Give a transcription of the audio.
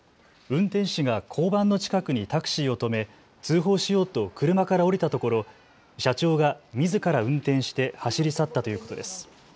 運転手が交番の近くにタクシーを止め、通報しようと車から降りたところ社長がみずから運転して走り去ったということです。